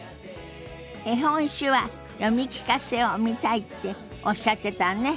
「絵本手話読み聞かせ」を見たいっておっしゃってたわね。